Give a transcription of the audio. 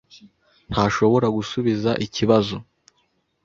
ntashobora gusubiza ikibazo.